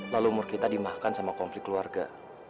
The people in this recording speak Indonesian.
lalu umur kita dimahkan sama konflik keluarga